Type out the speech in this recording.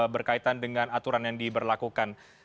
berkaitan dengan aturan yang diberlakukan